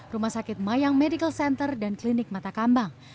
rumah sakit mayang medical center dan klinik mata kambang